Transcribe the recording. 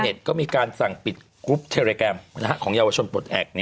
ก็มีการสั่งปิดกรุ๊ปเทรแกรมของเยาวชนปลดแอบ